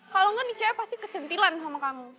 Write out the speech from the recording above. kalau gak nih cewek pasti kecentilan sama kamu